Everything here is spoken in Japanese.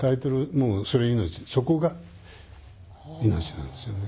もうそれ命そこが命なんですよね。